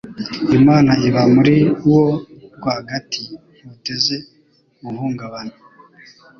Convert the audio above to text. Imana iba muri wo rwagati ntuteze guhungabana